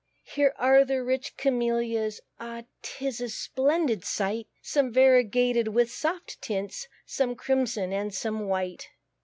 Here are the rich Camellias; Oh, 'tis a splendid sight! Some variegated with soft tints, Some crimson, and some white.